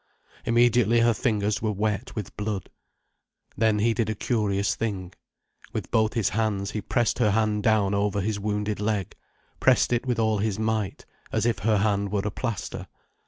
Immediately her fingers were wet with blood. Then he did a curious thing. With both his hands he pressed her hand down over his wounded leg, pressed it with all his might, as if her hand were a plaster.